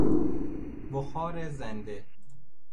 بخار زنده